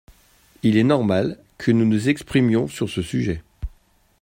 Il est normal que nous nous exprimions sur ce sujet.